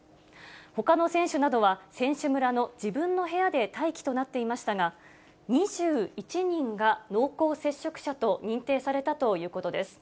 ほかの選手などは、選手村の自分の部屋で待機となっていましたが、２１人が濃厚接触者と認定されたということです。